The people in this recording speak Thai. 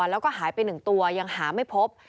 แล้วก็หายไป๑ตัวยังหาไม่พบ